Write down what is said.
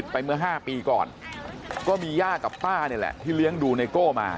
เมื่อ๕ปีก่อนก็มีย่ากับป้านี่แหละที่เลี้ยงดูไนโก้มา